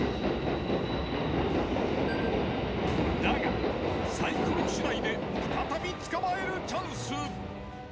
だがサイコロ次第で再び捕まえるチャンス。